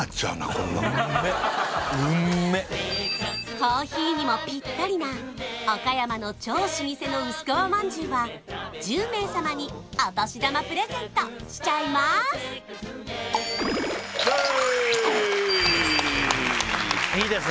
コーヒーにもぴったりな岡山の超老舗の薄皮まんじゅうは１０名様にお年玉プレゼントしちゃいますいいですね